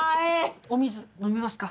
お水飲みますか？